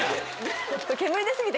煙出過ぎて。